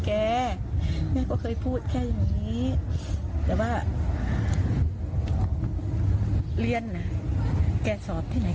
แม่ก็เคยพูดแค่อย่างนี้แต่ว่าเรียนนะแกสอบที่ไหน